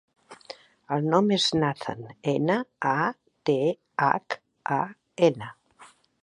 El nom és Nathan: ena, a, te, hac, a, ena.